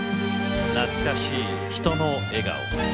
懐かしい人の笑顔。